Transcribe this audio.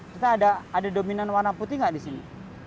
kita ada dominan warna putih nggak di sini